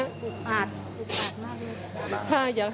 ปลูกปาดปลูกปาดมากเลย